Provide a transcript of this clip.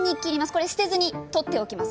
これ捨てずに取っておきます。